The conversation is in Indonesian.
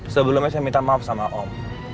sebelumnya saya minta maaf sama om